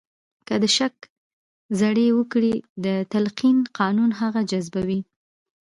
که د شک زړي وکرئ د تلقین قانون هغه جذبوي